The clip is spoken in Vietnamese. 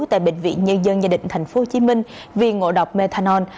tại bệnh viện nhân dân gia đình tp hcm vì ngộ độc methanol